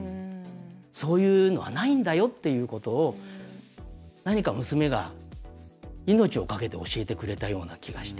そういうのはないんだよというのを何か娘が命を懸けて教えてくれたような気がして。